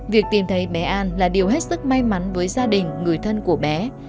việc tìm thấy bé an là điều hết sức may mắn với gia đình người thân của bé